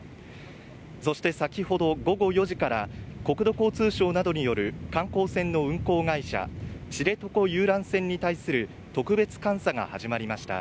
そして先ほど午後４時から国土交通省などによる観光船の運航会社、知床遊覧船に対する特別監査が始まりました。